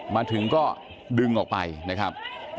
มาถึงก็ดึงออกไปนะครับ